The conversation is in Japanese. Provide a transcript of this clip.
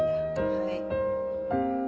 はい。